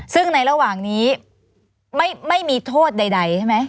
ซึ่งในระหว่างนี้ไม่มีโทษใดใช่ไหม